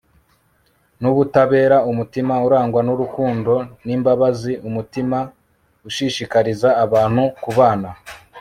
n'ubutabera, umutima urangwa n'urukundo n'imbabazi, umutima ushishikariza abantu kubana